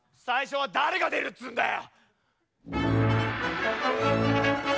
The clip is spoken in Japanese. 最初は誰が出るっつうんだよ！